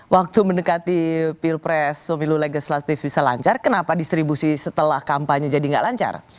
waktu mendekati pilpres pemilu legislatif bisa lancar kenapa distribusi setelah kampanye jadi nggak lancar